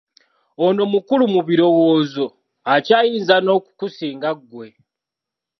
Ono mukulu mu birowoozo akyayinza n'okukusinga ggwe!